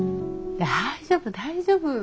大丈夫大丈夫。